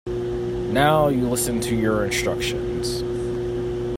Now you listen to your instructions.